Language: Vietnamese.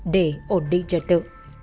để ổn định trời tự